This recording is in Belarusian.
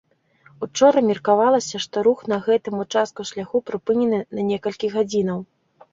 Учора меркавалася, што рух на гэтым участку шляху прыпынены на некалькі гадзінаў.